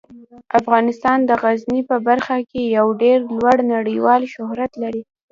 افغانستان د غزني په برخه کې یو ډیر لوړ نړیوال شهرت لري.